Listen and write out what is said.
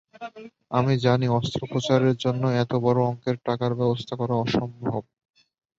আমি জানি অস্ত্রোপচারের জন্য এত বড় অঙ্কের টাকার ব্যবস্থা করা অসম্ভব।